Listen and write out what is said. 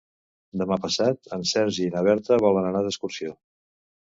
Demà passat en Sergi i na Berta volen anar d'excursió.